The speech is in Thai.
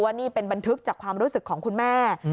ว่านี่เป็นบันทึกจากความรู้สึกของคุณแม่